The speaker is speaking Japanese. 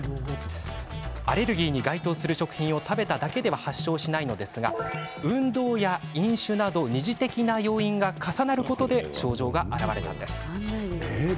アレルギーに該当する食品を食べただけでは発症しないのですが運動や飲酒など二次的な要因が重なることで症状が現れたのです。